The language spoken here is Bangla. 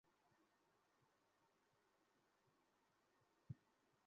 এখন আমি তোমার সাথে তোমার জীবনের সবচেয়ে গুরুত্বপূর্ণ কথা বলতে যাচ্ছি।